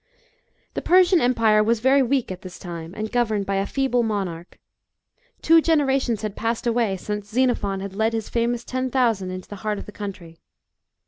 The Persian empire was very weak at this time, and governed by a feeble monarch. Two genera tions had passed away since Xenophon had led his famous Ten Thousand into the heart of the country.